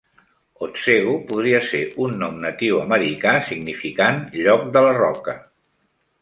Otsego podria ser un nom natiu americà significant "lloc de la roca".